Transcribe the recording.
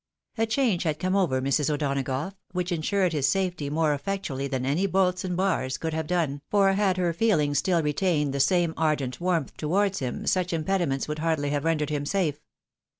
A change had come over Mrs. O'Donagough, which insured his safety more effectually than any bolts and bars could have done, for had her feelings still retained the same ardent warmth to v/ards him, such impediments would hardly have rendered him safe.